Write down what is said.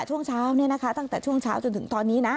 ช่วงเช้าตั้งแต่ช่วงเช้าจนถึงตอนนี้นะ